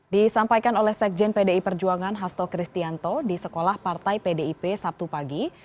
disampaikan oleh sekjen pdi perjuangan hasto kristianto di sekolah partai pdip sabtu pagi